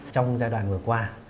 trong giai đoạn vừa qua